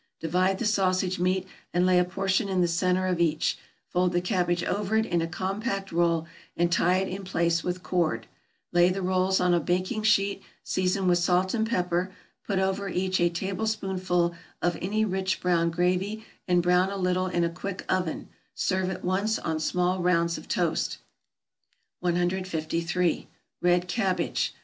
Divide the sausage meat, and lay a portion in the centre of each, fold the cabbage over it in a compact roll and tie it in place with cord; lay the rolls on a baking sheet, season with salt and pepper, put over each a tablespoonful of any rich brown gravy and brown a little in a quick oven; serve at once, on small rounds of toast. 153. =Red Cabbage.